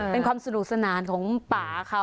เป็นความสนุกสนานของป่าเขา